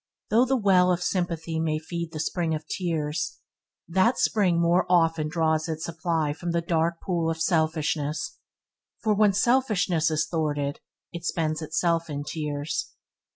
Though the well of sympathy may feed the spring of tears, that spring more often draws its supply from the dark pool of selfishness, for when selfishness is thwarted it spends itself in tears.